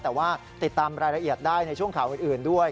แต่ว่าติดตามรายละเอียดได้ในช่วงข่าวอื่นด้วย